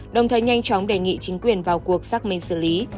đồng thời nhanh chóng đề nghị chính quyền vào cuộc xác minh xử lý